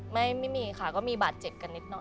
ไม่มีค่ะก็มีบาดเจ็บกันนิดนอ